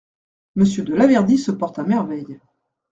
Monsieur de Laverdy se porte à merveille.